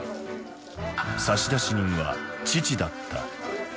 差出人は父だった。